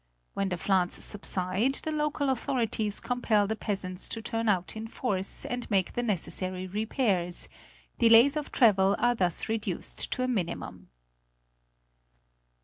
When the floods subside the local authorities com pel the peasants to turn out in force and make the necessary re pairs ; delays of travel are thus reduced to a minimum.